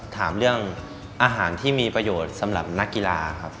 ถามเรื่องอาหารที่มีประโยชน์สำหรับนักกีฬาครับ